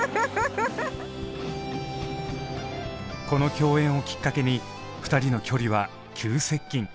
この共演をきっかけに２人の距離は急接近。